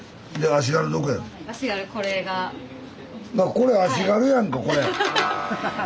これ足軽やんかこれ。